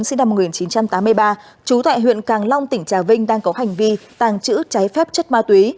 sinh năm một nghìn chín trăm tám mươi ba trú tại huyện càng long tỉnh trà vinh đang có hành vi tàng trữ trái phép chất ma túy